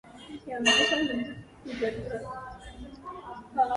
Golonka is a very popular Polish barbecued dish using this cut.